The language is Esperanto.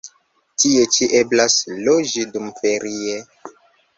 Tie ĉi eblas loĝi dumferie.